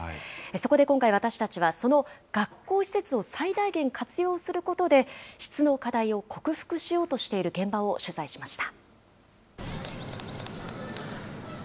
そこで今回私たちは、その学校施設を最大限活用することで、質の課題を克服しようとしている現場を取材しました。